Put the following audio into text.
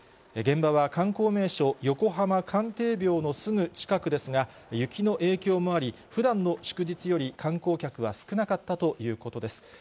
現場は観光名所、横浜関帝廟のすぐ近くですが、雪の影響もあり、ふだんの祝日より観光客は少なかったということです。